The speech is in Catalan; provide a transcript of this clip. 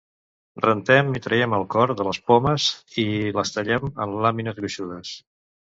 Rentem i traiem el cor de les pomes i les tallem en làmines gruixudes.